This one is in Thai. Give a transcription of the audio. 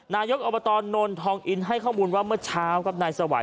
นายกอบตนนทองอินให้ข้อมูลว่าเมื่อเช้าครับนายสวัย